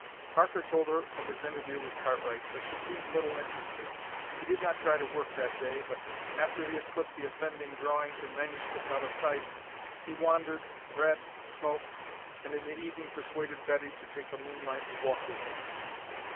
Parker told her of his interview with Cartwright, but she seemed little interested. He did not try to work that day but, after he had put the offending drawings and manuscript out of sight, he wandered, read, smoked, and in the evening persuaded Betty to take a moonlight walk with him.